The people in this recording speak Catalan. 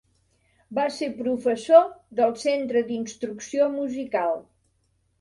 Va ser professor del centre d'instrucció musical.